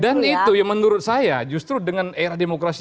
dan itu yang menurut saya justru dengan era demokrasi